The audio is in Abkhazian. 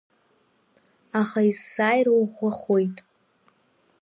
Аха есааира уӷәӷәахоит.